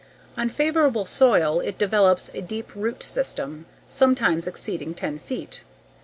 On favorable soil it develops a deep root system, sometimes exceeding ten feet.